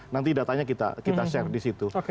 nanti datanya kita share di situ